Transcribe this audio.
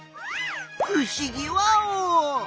ふしぎワオ！